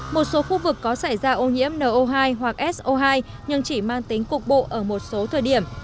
một số khu vực có xảy ra ô nhiễm no hai hoặc so hai nhưng chỉ mang tính cục bộ ở một số thời điểm